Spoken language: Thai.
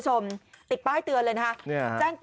ติดป้ายเตือนเลยนะคะ